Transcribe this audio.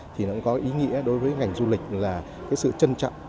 thì nó cũng có ý nghĩa đối với ngành du lịch là cái sự trân trọng